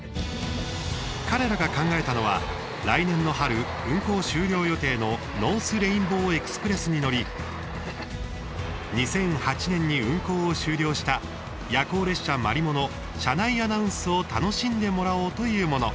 彼らが考えたのは、来年の春運行終了予定のノースレインボーエクスプレスに乗り２００８年に運行を終了した夜行列車・まりもの車内アナウンスを楽しんでもらおうというもの。